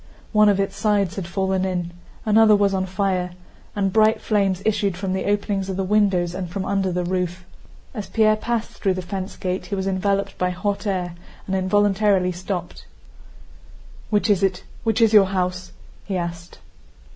One of its sides had fallen in, another was on fire, and bright flames issued from the openings of the windows and from under the roof. As Pierre passed through the fence gate, he was enveloped by hot air and involuntarily stopped. "Which is it? Which is your house?" he asked.